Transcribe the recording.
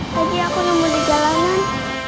pagi aku nemu di jalanan